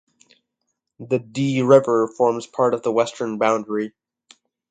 The "Dee River" forms part of the western boundary.